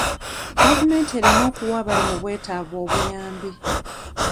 Gavumenti erina okuwa abali mu bwetaavu obuyambi.